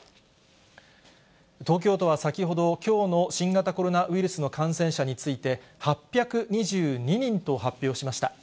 東京都は先ほど、きょうの新型コロナウイルスの感染者について、８２２人と発表しました。